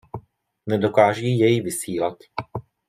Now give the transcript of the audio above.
Nedokáží jej vysílat.